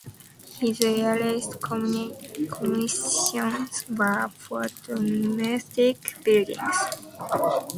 His earliest commissions were for domestic buildings.